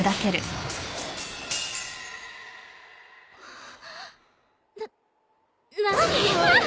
ああ。